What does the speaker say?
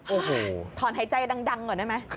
โอ้โหถอนหายใจดังก่อนได้ไหม